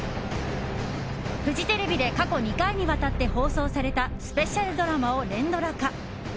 フジテレビで過去２回にわたって放送されたスペシャルドラマを連ドラ化。